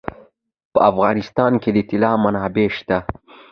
په افغانستان کې د طلا منابع شته.